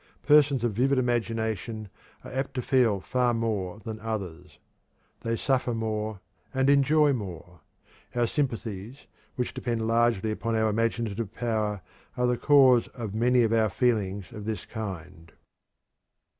Persons of vivid imagination are apt to feel far more than others. They suffer more, and enjoy more. Our sympathies, which depend largely upon our imaginative power, are the cause of many of our feelings of this kind.